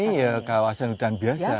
ini ya kawasan hutan biasa